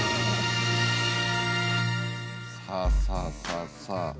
さあさあさあさあ